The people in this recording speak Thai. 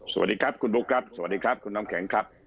สวัสดีครับคุณบุ๊คครับสวัสดีครับคุณน้ำแข็งครับ